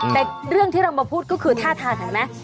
แต่เรื่องที่เรามาพูดก็คือท่าทางเห็นไหม